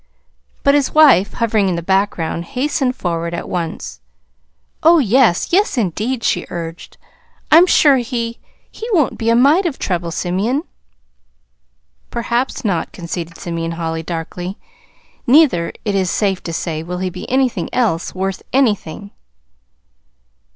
But his wife, hovering in the background, hastened forward at once. "Oh, yes; yes, indeed," she urged. "I'm sure he he won't be a mite of trouble, Simeon." "Perhaps not," conceded Simeon Holly darkly. "Neither, it is safe to say, will he be anything else worth anything."